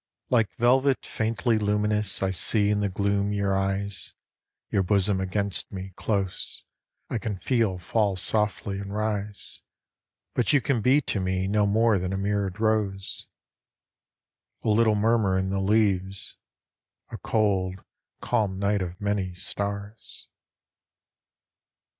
Like velvet faintly luminous I see in the gloom your eyes. Your bosom against me, close, I can feel fall softly and rise ; But you can be to me No more than a mirrored rose. A little murmur in the leaves A cold, calm night of many stars.